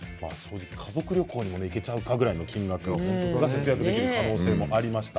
家族旅行に行けちゃうかぐらいの金額が節約できる可能性もありました。